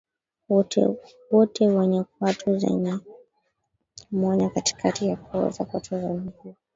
wote wenye kwato zenye mwanya katikati na kuoza kwato za miguu